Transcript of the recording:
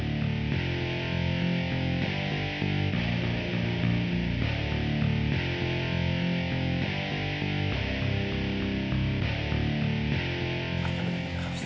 udah mampus udah mampus